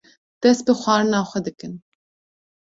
dest bi xwarina xwe dikin.